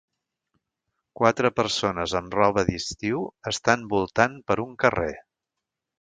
Quatre persones amb roba d'estiu estan voltant per un carrer.